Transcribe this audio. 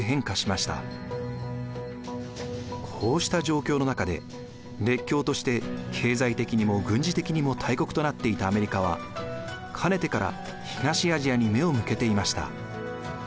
こうした状況の中で列強として経済的にも軍事的にも大国となっていたアメリカはかねてから東アジアに目を向けていました。